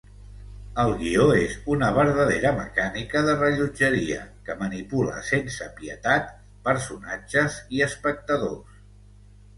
El guió és una verdadera mecànica de rellotgeria, que manipula sense pietat personatges i espectadors.